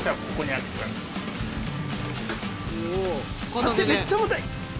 待ってめっちゃ重たい！